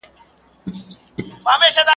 تل له نوي کفن کښه څخه ژاړي.